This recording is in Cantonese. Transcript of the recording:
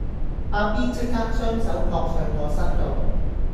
阿 B 即刻雙手撲上我身度